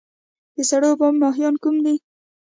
د سړو اوبو ماهیان کوم دي؟